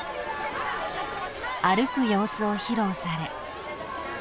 ［歩く様子を披露され］